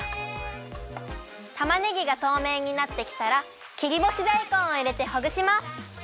たまねぎがとうめいになってきたら切りぼしだいこんをいれてほぐします。